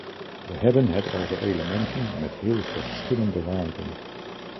We hebben het over elementen met heel verschillende waarden.